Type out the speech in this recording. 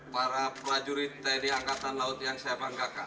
para prajurit tni angkatan laut yang saya banggakan